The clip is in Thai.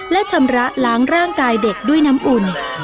และชำระล้างร่างกายเด็กด้วยน้ำอุ่น